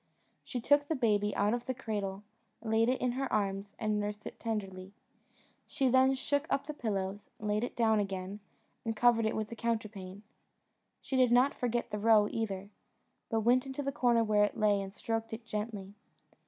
She took the baby out of the cradle, laid it in her arms, and nursed it tenderly. She then shook up the pillows, laid it down again, and covered it with the counterpane. She did not forget the roe either, but went into the corner where it lay, and stroked it gently.